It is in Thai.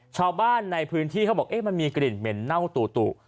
ชาวบ้านในพื้นที่เขาบอกมันมีกลิ่นเหม็นเน่าตู่